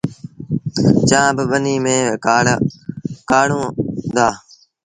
چآنه با ٻنيٚ ميݩ ڪآڙوهيݩ دآ۔